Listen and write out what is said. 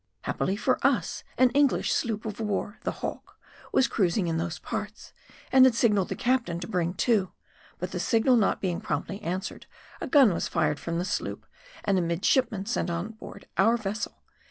Happily for us, an English sloop of war, the Hawk, was cruising in those parts, and had signalled the captain to bring to; but the signal not being promptly answered, a gun was fired from the sloop and a midshipman sent on board our vessel.